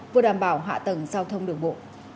vừa đảm bảo hạ tầng giao thông đường bộ